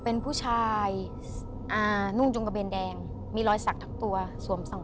เป็นผู้ชายอ่านุ่งจุงกระเบนแดงมีรอยสักทั้งตัวสวมส่อง